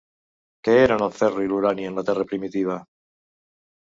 Què eren el ferro i l'urani en la Terra primitiva?